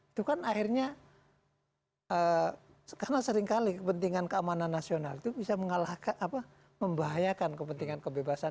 itu kan akhirnya karena seringkali kepentingan keamanan nasional itu bisa membahayakan kepentingan kebebasan